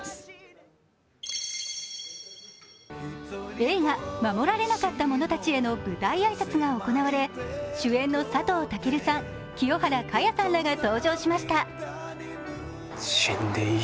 映画「護られなかった者たちへ」の舞台挨拶が行われ、主演の佐藤健さん、清原果耶さんらが登場しました。